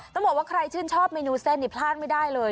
ต้องบอกว่าใครชื่นชอบเมนูเส้นนี่พลาดไม่ได้เลย